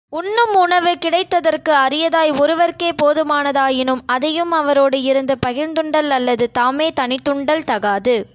உண்ணும் உணவு கிடைத்தற்கு அரியதாய், ஒருவர்க்கே போதுமானதாயினும், அதையும், அவரோடு இருந்து பகிர்ந்துண்டலல்லது, தாமே தனித்துண்டல் தகாது.